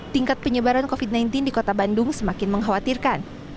tingkat penyebaran covid sembilan belas di kota bandung semakin mengkhawatirkan